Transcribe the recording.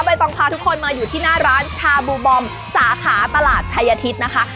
ต้องพาทุกคนมาอยู่ที่หน้าร้านชาบูบอมสาขาตลาดชายทิศนะคะ